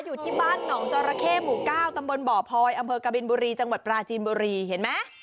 อยู่ที่บ้านหนองจอระเข้หมู่เก้าตำบลบ่อพลอยอำเภอกบินบุรีจังหวัดปราจีนบุรีเห็นไหม